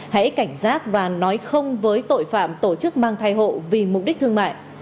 hãy cảnh giác và nói không với tội phạm tổ chức mang thai hộ vì mục đích thương mại